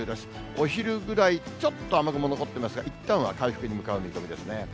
お昼ぐらい、ちょっと雨雲残ってますが、いったんは回復に向かう見込みですね。